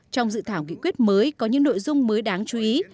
trong dự thảo nghị quyết mới có những nội dung mới đáng chú ý